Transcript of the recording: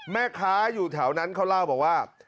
แม่ค้าอยู่แถวนั้นเขาเล่าบอกว่า